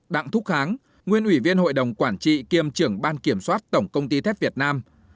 chín đặng thúc kháng nguyên ủy viên hội đồng quản trị kiêm trưởng ban kiểm soát tổng công ty thép việt nam